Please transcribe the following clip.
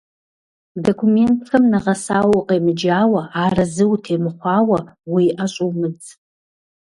Документхэм нэгъэсауэ укъемыджауэ, арэзы утемыхъуауэ, уи ӏэ щӏумыдз.